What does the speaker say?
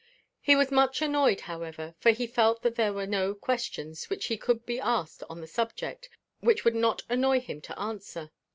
He was much annoyed, however, for he felt that there were no questions, which he could be asked on the subject, which it would not annoy him to answer.